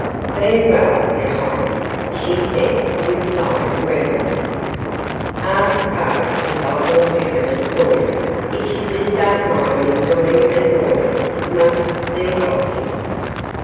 "Ve'y well, yo' highness," she said with fine reverence, "Ah'll p'ocuah de bottle o' pepp'mint fo' yo' if yo' jes don' mine me pullin' an' haulin' 'mongst dese boxes.